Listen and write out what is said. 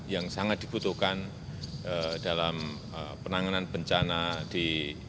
yang sangat dibutuhkan dalam penanganan bencana di